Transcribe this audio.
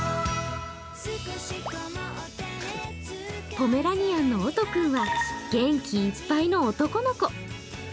ポメラニアンのオト君は元気いっぱいの男の子。